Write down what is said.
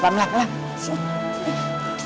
lam lam lam sini